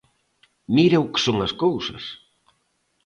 Mira o que son as cousas;